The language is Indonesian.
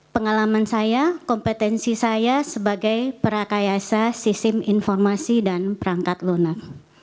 pengalaman saya kompetensi saya sebagai perakayasa sistem informasi dan perangkat lunak